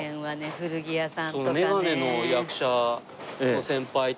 古着屋さんとかね。